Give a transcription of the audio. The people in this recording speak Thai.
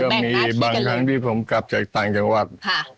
บางครั้งที่ผมกลับจากต่างจังหวัด